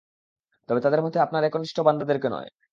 তবে তাদের মধ্যে আপনার একনিষ্ঠ বান্দাদেরকে নয়।